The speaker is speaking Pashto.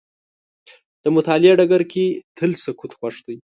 د مطالعې ډګر کې تل سکوت خوښ دی.